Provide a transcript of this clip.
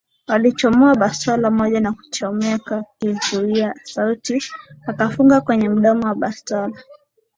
Alichomoa bastola moja na kuchomeka kizuia sauti akafunga kwenye mdomo wa bastola